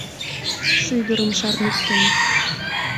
Шӱдырым шарныктен.